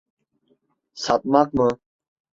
Satmak mı?